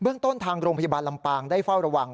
ต้นทางโรงพยาบาลลำปางได้เฝ้าระวัง